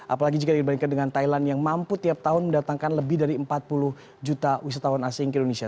apalagi jika dibandingkan dengan thailand yang mampu tiap tahun mendatangkan lebih dari empat puluh juta wisatawan asing ke indonesia